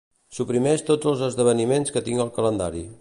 Suprimeix tots els esdeveniments que tinc al calendari.